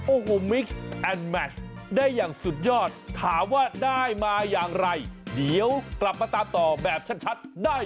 โอ้โหมิกซ์แอนด์แมชได้อย่างสุดยอด